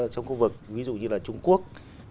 trong khu vực ví dụ như là trung quốc